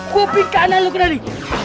gue ping ke kanan lo ke tadi